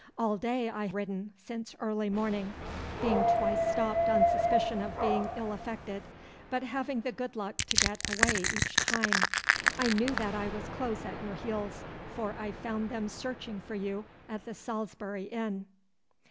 All day I have ridden, since early morning, being twice stopped on suspicion of being ill affected, but having the good luck to get away each time. I knew that I was close at your heels, for I found them searching for you at the Salisbury Inn.